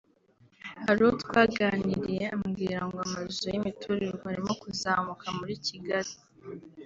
Hari uwo twaganiriya ambwira ngo amazu y’imiturirwa arimo kuzamuka muri Kigali